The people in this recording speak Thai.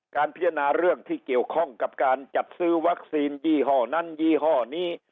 การพิจารณาเรื่องที่เกี่ยวข้องกับการจัดซื้อวัคซีนยี่ห้อนั้นยี่ห้อนี้